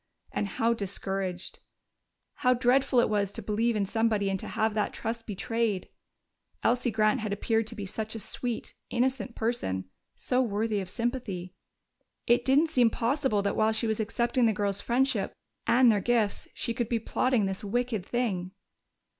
And how discouraged! How dreadful it was to believe in somebody and to have that trust betrayed! Elsie Grant had appeared to be such a sweet, innocent person, so worthy of sympathy. It didn't seem possible that while she was accepting the girls' friendship and their gifts she could be plotting this wicked thing.